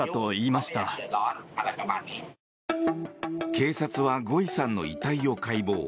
警察はゴイさんの遺体を解剖。